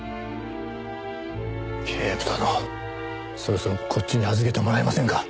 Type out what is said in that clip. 警部殿そろそろこっちに預けてもらえませんか？